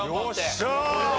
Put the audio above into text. よっしゃー！